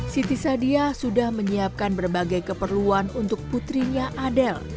siti sadiah sudah menyiapkan berbagai keperluan untuk putrinya adel